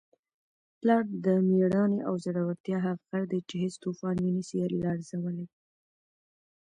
پلار د مېړانې او زړورتیا هغه غر دی چي هیڅ توپان یې نسي لړزولی.